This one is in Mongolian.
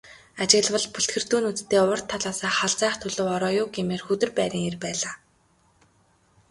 Ажиглавал бүлтгэрдүү нүдтэй урд талаасаа халзайх төлөв ороо юу гэмээр, хүдэр байрын эр байлаа.